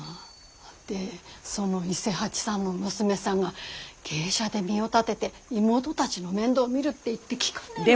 でその伊勢八さんの娘さんが芸者で身を立てて妹たちの面倒を見るって言って聞かねぇのさ。